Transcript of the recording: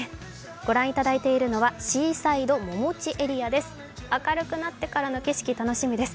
御覧いただいているのはシーサイドももちエリアです。